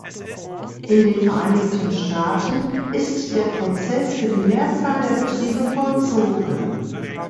In den Vereinigten Staaten ist der Prozess für die Mehrzahl der Betriebe vollzogen.